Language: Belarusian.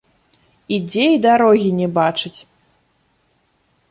Ідзе і дарогі не бачыць.